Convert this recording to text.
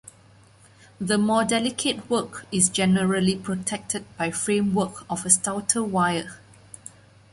The more delicate work is generally protected by framework of stouter wire.